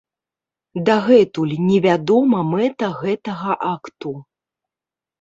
Дагэтуль не вядома мэта гэтага акту.